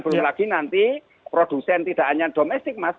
boleh lagi nanti produsen tidak hanya domestik mas